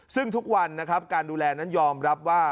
ซึ่งทุกวันนะครับการดูแลนั้นยอมรับว่า